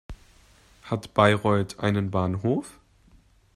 Hat Bayreuth einen Bahnhof?